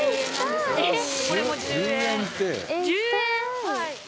はい。